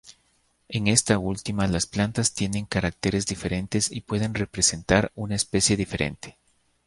En esta última las plantas tienen caracteres diferentes y pueden representar una especie diferente.